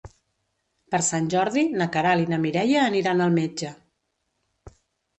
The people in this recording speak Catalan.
Per Sant Jordi na Queralt i na Mireia aniran al metge.